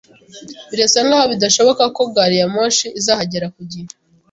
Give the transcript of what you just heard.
Birasa nkaho bidashoboka ko gari ya moshi izahagera ku gihe.